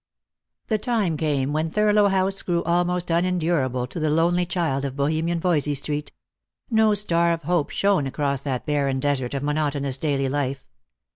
The time came when Thurlow House grew almost unendurable to the lonely child of Bohemian Voysey street. No star of hope shone across that barren desert of monotonous daily life.